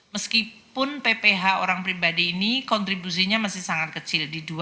meskipun pph orang pribadi ini kontribusinya masih sangat kecil